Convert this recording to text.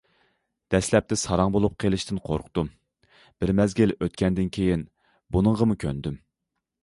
دەسلەپتە ساراڭ بولۇپ قېلىشتىن قورقتۇم، بىر مەزگىل ئۆتكەندىن كىيىن بۇنىڭغىمۇ كۆندۈم.